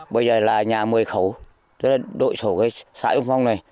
bây giờ là nhà mười khấu tức là đội sổ cái xã dũng phong này